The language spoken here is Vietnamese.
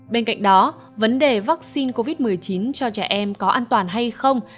bên cạnh đó vấn đề vaccine covid một mươi chín cho trẻ em có an toàn hay không